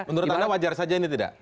menurut anda wajar saja ini tidak